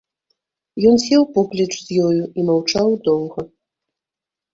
Ён сеў поплеч з ёю і маўчаў доўга.